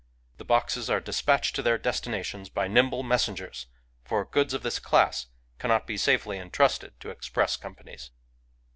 The boxes are despatched to their destinations by nimble messengers, — for goods of this class cannot be safely intrusted to express companies.